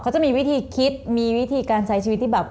เขาจะมีวิธีคิดมีวิธีการใช้ชีวิตที่แบบ